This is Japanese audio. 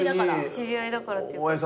知り合いだからっていうか。